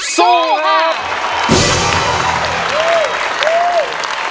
สู้ค่ะสู้ค่ะ